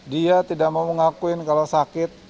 dia tidak mau mengakuin kalau sakit